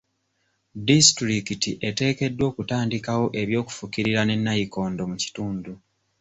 Disitulikiti eteekeddwa okutandikawo eby'okufukirira ne nayikondo mu kitundu.